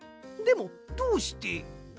でもどうして？